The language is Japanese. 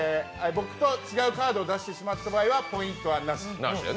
僕と違うカードを出してしまった場合はポイントなし。